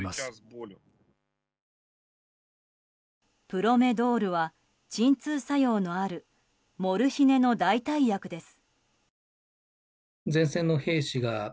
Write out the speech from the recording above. プロメドールは鎮痛作用のあるモルヒネの代替薬です。